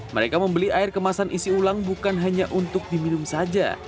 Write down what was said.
mereka membeli air kemasan isi ulang bukan hanya untuk diminum saja